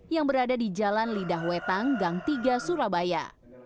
yang berada di jalan lidah wetang gang tiga surabaya